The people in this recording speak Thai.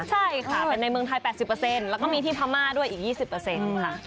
ใช่ค่ะเป็นในเมืองไทย๘๐แล้วก็มีที่พม่าด้วยอีก๒๐ค่ะ